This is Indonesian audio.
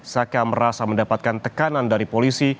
saka merasa mendapatkan tekanan dari polisi